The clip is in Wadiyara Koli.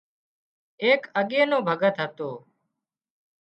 ايڪ اڳي نو ڀڳت هتو